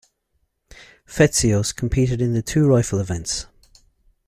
Fetsios competed in the two rifle events.